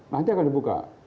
nanti akan dibuka